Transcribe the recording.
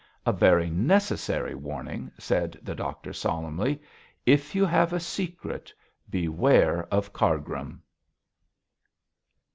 'A very necessary warning,' said the doctor, solemnly. 'If you have a secret, beware of Cargrim.'